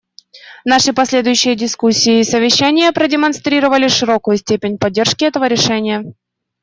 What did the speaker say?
Наши последующие дискуссии и совещания продемонстрировали широкую степень поддержки этого решения.